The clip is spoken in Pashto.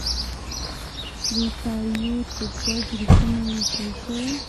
پروکاريوت په دوه ګروپونو وېشل شوي.